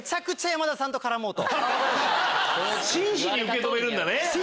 真摯に受け止めるんだね